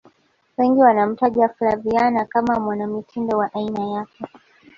wengi wanamtaja flaviana kama mwanamitindo wa aina yake